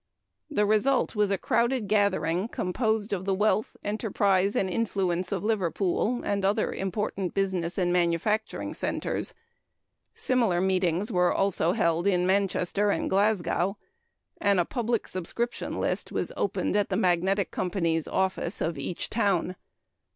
The result was a crowded gathering composed of the wealth, enterprise, and influence of Liverpool and other important business and manufacturing centers. Similar meetings were also held in Manchester and Glasgow, and a public subscription list was opened at the "Magnetic" Company's office of each town.